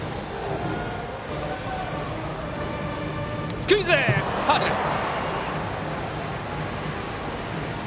スクイズ、ファウルです。